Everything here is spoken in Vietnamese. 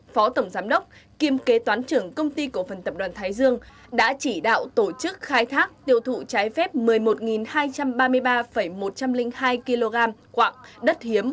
phó tổng giám đốc kiêm kế toán trưởng công ty cổ phần tập đoàn thái dương đã chỉ đạo tổ chức khai thác tiêu thụ trái phép một mươi một hai trăm ba mươi ba một trăm linh hai kg quạng đất hiếm